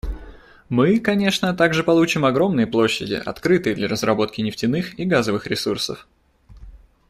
Мы, конечно, также получим огромные площади, открытые для разработки нефтяных и газовых ресурсов.